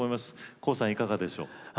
ＫＯＯさん、いかがですか？